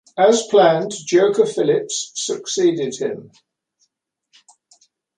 As planned, Joker Phillips succeeded him.